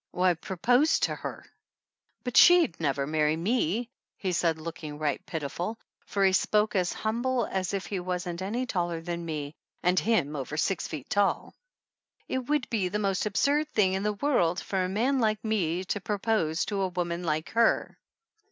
Why, propose to her !" "But she'd never marry me," he said looking right pitiful, for he spoke as humble as if he wasn't any taller than me, and him over six feet tall. "It would be the most absurd thing in the world for a man like me to propose to a woman like her